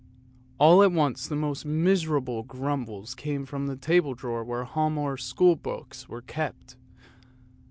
All at once the most miserable grumbles came from the table drawer where Hialmar's schoolbooks were kept.